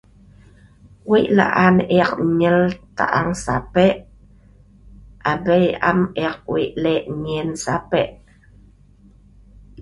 Wei laan ek enyel ta'ang sape, abei am ek wei lek en'yen sape